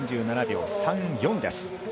３７秒３４です。